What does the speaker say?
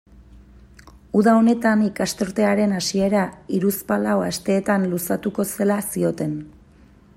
Uda honetan ikasturtearen hasiera hiruzpalau asteetan luzatuko zela zioten.